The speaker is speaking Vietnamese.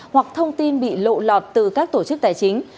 hoặc thông tin bị lộ lọt từ các tổ chức tài chính